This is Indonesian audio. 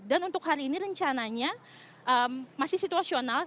dan untuk hari ini rencananya masih situasional